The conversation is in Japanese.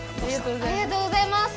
ありがとうございます。